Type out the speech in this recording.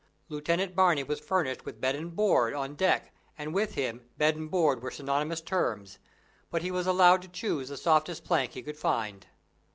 Lieutenant Barney was furnished with bed and board, on deck, and with him, bed and board were synonymous terms, but he was allowed to choose the softest plank he could find.